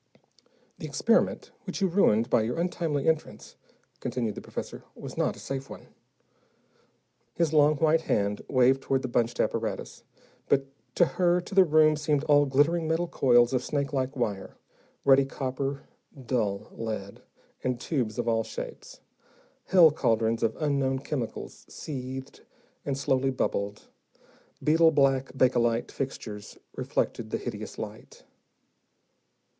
"The experiment which you ruined by your untimely entrance," continued the professor, "was not a safe one." His long white hand waved toward the bunched apparatus, but to her to the room seemed all glittering metal coils of snakelike wire, ruddy copper, dull lead, and tubes of all shapes. Hell cauldrons of unknown chemicals seethed and slowly bubbled, beetle black bakelite fixtures reflected the hideous light.